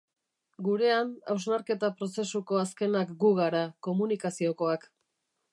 Gurean, hausnarketa-prozesuko azkenak gu gara, komunikaziokoak.